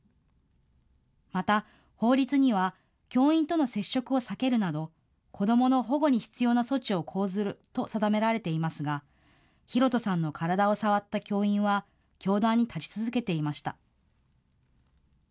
また法律には教員との接触を避けるなど子どもの保護に必要な措置を講ずると定められていますがヒロトさんの体を触った教員は教壇に立ち続けていました。